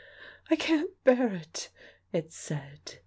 "I can't bear it," it said.